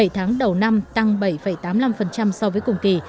bảy tháng đầu năm tăng bảy tám mươi năm so với cùng kỳ